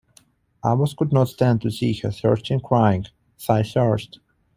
Abbas could not stand to see her thirsty and crying, "Thy thirst!".